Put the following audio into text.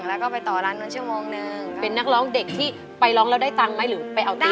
แล้วก็ไปต่อร้านนั้นชั่วโมงนึงเป็นนักร้องเด็กที่ไปร้องแล้วได้ตังค์ไหมหรือไปเอาตังค์